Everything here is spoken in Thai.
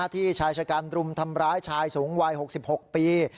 ที่ชายชะกันรุมทำร้ายชายสูงวัย๖๖ปี